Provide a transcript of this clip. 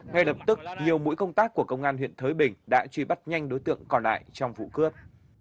ngay lập tức nhiều mũi công tác của công an huyện thới bình đã truy bắt nhanh đối tượng còn lại trong vụ cướp